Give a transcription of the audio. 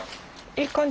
いい感じ？